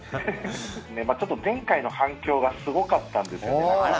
ちょっと前回の反響がすごかったんですよね。